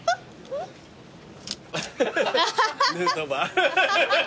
ヌートバー。